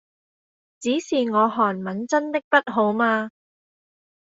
只是我韓文真的不好嘛